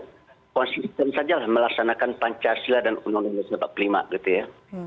kita konsisten sajalah melaksanakan pancasila dan undang undang seribu sembilan ratus empat puluh lima gitu ya